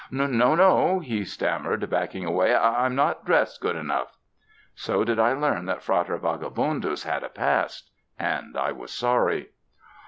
"No, no," he stammered, backing away, "I — I'm not dressed good enough." So did I learn that Frater Vagabundus had a past, and I was sorry.